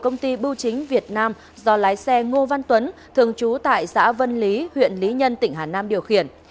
công ty bưu chính việt nam do lái xe ngô văn tuấn thường trú tại xã vân lý huyện lý nhân tỉnh hà nam điều khiển